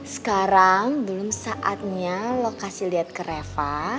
sekarang belum saatnya lo kasih lihat ke reva